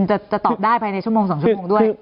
จะตอบได้ภายในชั่วโมง๒ชั่วโมงด้วย